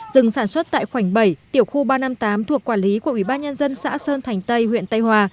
rừng sản xuất tại khoảng bảy tiểu khu ba trăm năm mươi tám thuộc quản lý của ubnd xã sơn thành tây huyện tây hòa